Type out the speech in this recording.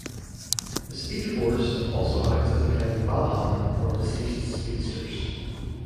The Speed Force also acts as a kind of Valhalla for deceased speedsters.